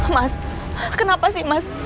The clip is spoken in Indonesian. mas kenapa sih mas